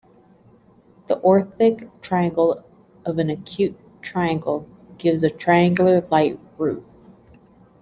The orthic triangle of an acute triangle gives a triangular light route.